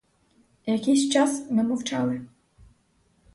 Якийсь час ми мовчали.